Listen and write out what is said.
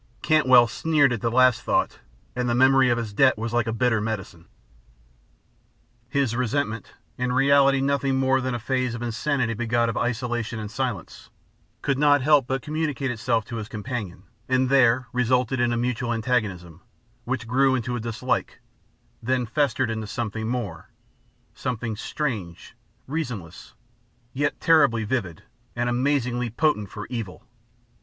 Cantwell sneered at the last thought, and the memory of his debt was like bitter medicine. His resentment in reality nothing more than a phase of insanity begot of isolation and silence could not help but communicate itself to his companion, and there resulted a mutual antagonism, which grew into a dislike, then festered into something more, something strange, reasonless, yet terribly vivid and amazingly potent for evil.